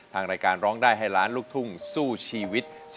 รายการร้องได้ให้ล้านลูกทุ่งสู้ชีวิต